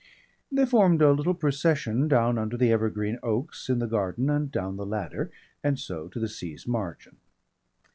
They formed a little procession down under the evergreen oaks in the garden and down the ladder and so to the sea's margin.